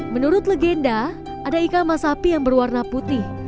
menurut legenda ada ikan masapi yang berwarna putih